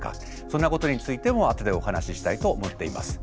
そんなことについても後でお話ししたいと思っています。